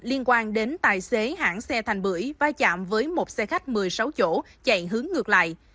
liên quan đến tài xế hãng xe thành bưởi vai chạm với một xe khách một mươi sáu chỗ chạy hướng ngược lại